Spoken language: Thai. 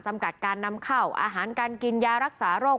จำกัดการนำเข้าอาหารการกินยารักษาโรค